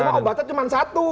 itu obatnya cuma satu